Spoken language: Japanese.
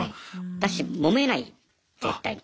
だしもめない絶対に。